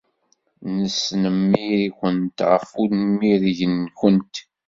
Nesnemmir-ikent ɣef unmireg-nwent.